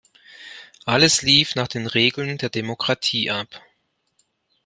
Alles lief nach den Regeln der Demokratie ab.